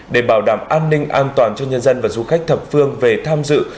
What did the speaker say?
để bảo đảm an ninh an toàn cho nhân dân và du khách thập phương về tham dự